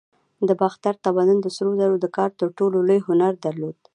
د باختر تمدن د سرو زرو د کار تر ټولو لوړ هنر درلود